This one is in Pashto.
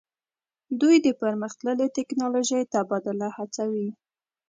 دوی د پرمختللې ټیکنالوژۍ تبادله هڅوي